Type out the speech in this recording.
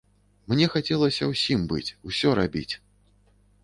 Мне хацелася ўсім быць, усё рабіць.